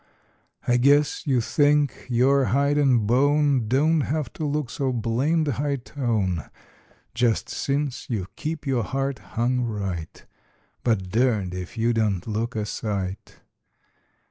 I guess you think your hide and bone Don't have to look so blamed high tone Just since you keep your heart hung right,— But durned if you don't look a sight.